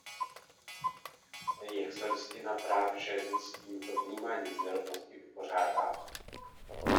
Jak se Listina práv žen s tímto vnímáním nerovnosti vypořádá?